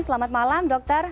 selamat malam dokter